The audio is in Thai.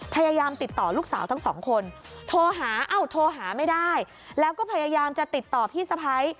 พยายามติดต่อลูกสาวทั้งสองคนโทรหาเอ้าโทรหาไม่ได้แล้วก็พยายามจะติดต่อพี่สะพ้าย